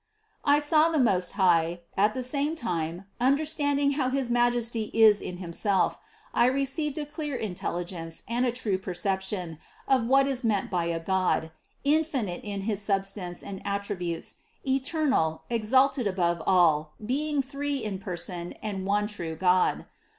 27. I saw the Most High, at the same time under standing how his Majesty is in Himself; I received a clear intelligence and a true perception of what is meant by a God, infinite in his substance and attributes, eternal, exalted above all, being three in Person, and one true God.